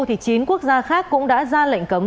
chín quốc gia khác cũng đã ra lệnh cấm